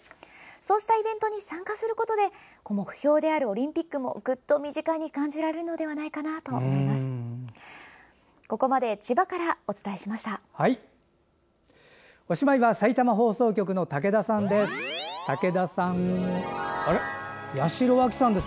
そうしたイベントに参加することで目標であるオリンピックもぐっと身近に感じられるのではないかなと思います。